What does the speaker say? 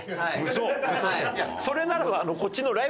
いやそれならば。